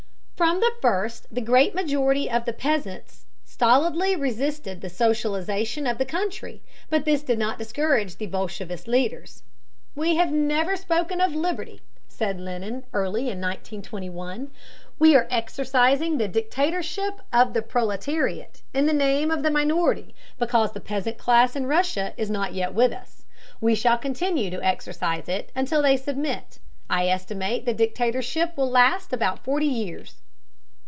From the first, the great majority of the peasants stolidly resisted the socialization of the country, but this did not discourage the bolshevist leaders. "We have never spoken of liberty," said Lenin early in 1921. "We are exercising the dictatorship of the proletariat in the name of the minority because the peasant class in Russia is not yet with us. We shall continue to exercise it until they submit. I estimate the dictatorship will last about forty years."